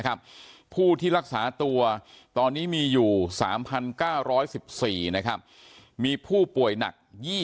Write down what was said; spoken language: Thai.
ผู้ที่รักษาตัวตอนนี้มีอยู่๓๙๑๔มีผู้ป่วยหนัก